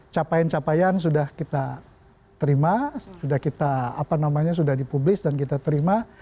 capaian capaian sudah kita terima sudah kita apa namanya sudah dipublis dan kita terima